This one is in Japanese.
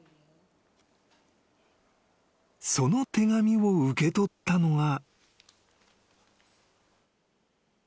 ［その手紙を受け取ったのが］